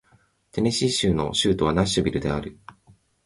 テネシー州の州都はナッシュビルである